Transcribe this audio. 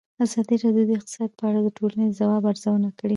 ازادي راډیو د اقتصاد په اړه د ټولنې د ځواب ارزونه کړې.